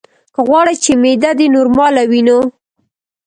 که غواړې چې معده دې نورماله وي نو: